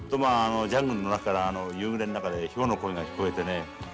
ジャングルの中から夕暮れの中でヒョウの声が聞こえてね